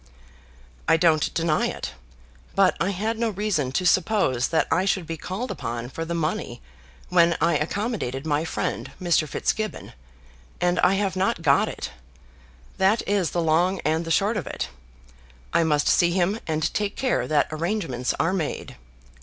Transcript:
"I don't deny it. But I had no reason to suppose that I should be called upon for the money when I accommodated my friend, Mr. Fitzgibbon, and I have not got it. That is the long and the short of it. I must see him and take care that arrangements are made."